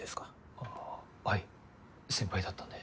あぁはい先輩だったんで。